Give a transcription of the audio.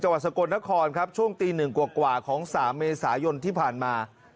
จังหวัดสะกดนครครับช่วงตีหนึ่งกว่าของ๓เมษายนที่ผ่านมา